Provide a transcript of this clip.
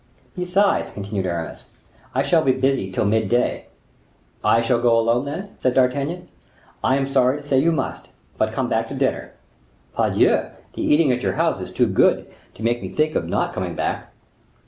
"Besides," continued Aramis, "I shall be busy till mid day." "I shall go alone, then?" said D'Artagnan. "I am sorry to say you must; but come back to dinner." "Pardieu! the eating at your house is too good to make me think of not coming back."